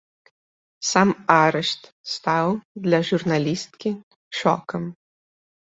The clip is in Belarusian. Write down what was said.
Сам арышт стаў для журналісткі шокам.